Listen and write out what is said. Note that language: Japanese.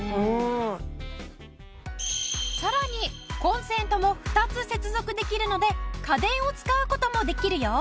さらにコンセントも２つ接続できるので家電を使う事もできるよ。